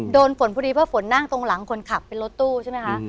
โดนฝนพอดีเพราะฝนนั่งตรงหลังคนขับเป็นรถตู้ใช่ไหมคะ